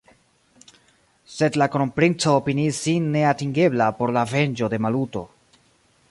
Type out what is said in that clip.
Sed la kronprinco opiniis sin neatingebla por la venĝo de Maluto.